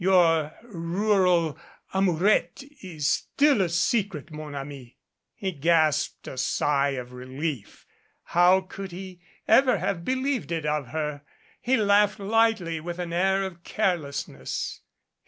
Your rural amourette is still a secret, mon ami." He gasped a sigh of relief. How could he ever have 258 A LADY IN THE DUSK believed it of her ? He laughed lightly with an air of care lessness.